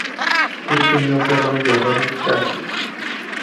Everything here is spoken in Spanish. Él tenía un perro llamado Cassie.